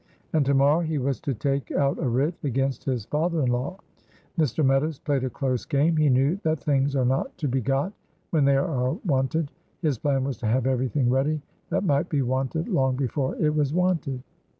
And to morrow he was to take out a writ against his "father in law." Mr. Meadows played a close game. He knew that things are not to be got when they are wanted. His plan was to have everything ready that might be wanted long before it was wanted.